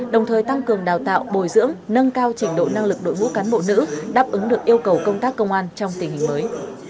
đồng thời tăng cường đào tạo bồi dưỡng nâng cao trình độ năng lực đội ngũ cán bộ nữ đáp ứng được yêu cầu công tác công an trong tình hình mới